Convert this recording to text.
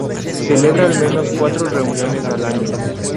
Celebra al menos cuatro reuniones al año.